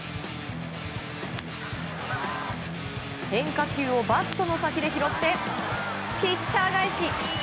変化球をバットの先で拾ってピッチャー返し！